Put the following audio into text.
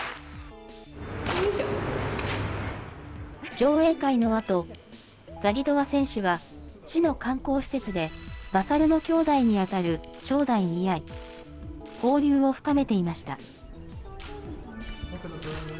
上映会のあと、ザギトワ選手は市の観光施設で、マサルのきょうだいに当たる勝大に会い、交流を深めていました。